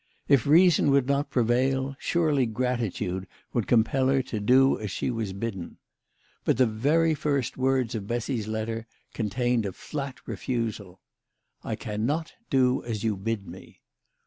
If reason would not prevail, surely gratitude would compel her to do as she was bidden. But the THE LADY OF LAUNAY. 177 very first words of Bessy's letter contained a flat refusal. " I cannot do as you bid me."